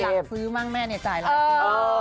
พี่รักฟื้อมากแม่เนี่ยจ่ายหลายปี